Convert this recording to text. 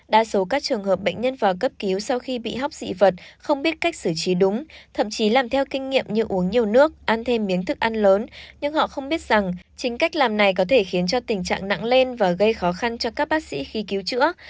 đa số các trường hợp bệnh nhân vào cấp cứu sau khi bị hóc dị vật không biết cách xử trí đúng thậm chí làm theo kinh nghiệm như uống nhiều nước ăn thêm miếng thức ăn lớn nhưng họ không biết rằng chính cách làm này có thể khiến cho tình trạng nặng lên và gây khó khăn cho các bác sĩ khi cứu chữa